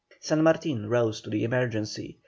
San Martin rose to the emergency.